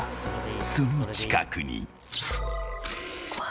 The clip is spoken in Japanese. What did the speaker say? その近くに。